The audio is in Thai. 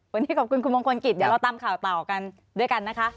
วันนี้ขอบคุณคุณมงคลกิจเดี๋ยวเราตามข่าวต่อกันด้วยกันนะคะ